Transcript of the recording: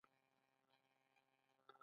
استاد د زړه له کومي تدریس کوي.